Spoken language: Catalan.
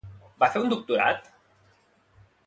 Va fer un doctorat?